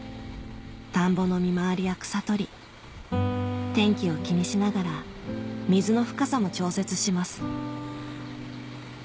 田んぼの見回りや草取り天気を気にしながら水の深さも調節します